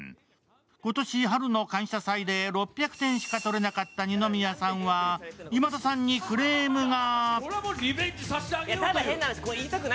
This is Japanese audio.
今年春の「感謝祭」で６００点しか取れなかった二宮さんは今田さんにクレームが。